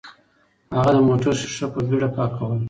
هغه د موټر ښیښه په بیړه پاکوله.